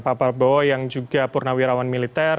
pak prabowo yang juga purnawirawan militer